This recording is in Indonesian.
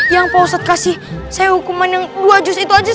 yang pak ustadz kasih saya hukuman yang dua jus itu aja